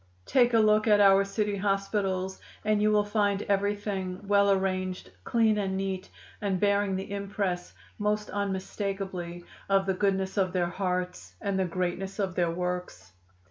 Take a look at our city hospitals, and you will find everything well arranged, clean and neat, and bearing the impress most unmistakably of the goodness of their hearts and the greatness of their works.